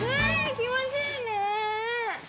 気持ち良いね。